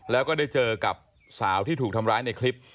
แล้วก็ได้เจอกับสาวที่ถูกทำร้ายในคลิป